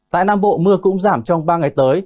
tại nam bộ mưa cũng giảm trong ba ngày tới